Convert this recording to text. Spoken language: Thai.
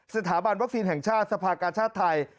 สถาบันวัคซีนแห่งชาติสภากาชาติไทย